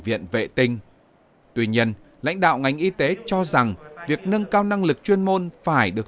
viện vệ tinh tuy nhiên lãnh đạo ngành y tế cho rằng việc nâng cao năng lực chuyên môn phải được